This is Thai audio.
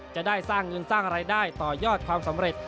จะได้สร้างเงินสร้างรายได้ต่อยอดความสำเร็จ